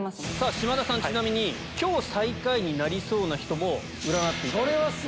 島田さんちなみに今日最下位になりそうな人も占っていただいてる。